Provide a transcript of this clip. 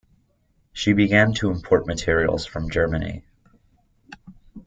She began to import materials from Germany.